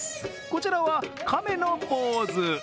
こちらは亀のポーズ。